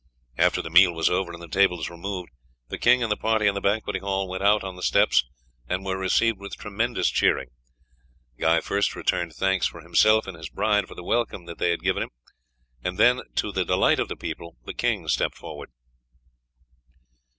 After the meal was over and the tables removed, the king and the party in the banqueting hall went out on the steps and were received with tremendous cheering. Guy first returned thanks for himself and his bride for the welcome that they had given him, and then, to the delight of the people, the king stepped forward.